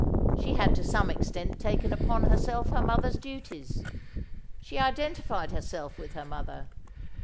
She had to some extent taken upon herself her mother's duties. She identified herself with her mother.